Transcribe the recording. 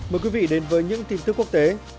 mời quý vị đến với những tin tức quốc tế